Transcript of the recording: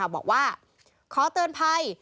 บอกว่าขอเตือนภัย